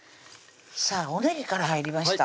さぁおねぎから入りました